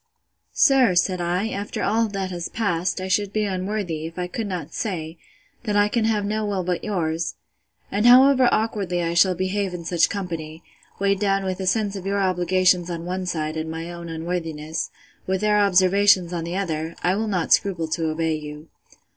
Sir, said I, after all that has passed, I should be unworthy, if I could not say, that I can have no will but yours: And however awkwardly I shall behave in such company, weighed down with a sense of your obligations on one side, and my own unworthiness, with their observations on the other, I will not scruple to obey you.